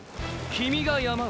君が山を？